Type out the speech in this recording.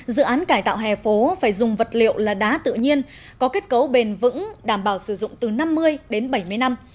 dự án cải tạo hè phố phải dùng vật liệu là đá tự nhiên có kết cấu bền vững đảm bảo sử dụng từ năm mươi đến bảy mươi năm